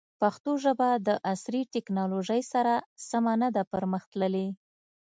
پښتو ژبه د عصري تکنالوژۍ سره سمه نه ده پرمختللې.